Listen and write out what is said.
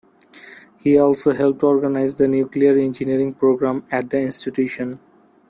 He also helped organize the nuclear engineering program at the institution.